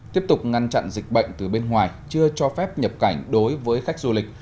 tiếp tục ngăn chặn dịch bệnh từ bên ngoài chưa cho phép nhập cảnh đối với khách du lịch